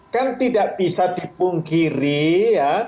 kan tidak bisa dipungkiri ya